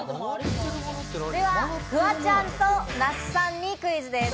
ではフワちゃんと那須さんにクイズです。